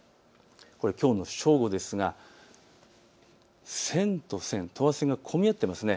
これはきょうの正午ですが線と線、等圧線が混み合っていますね。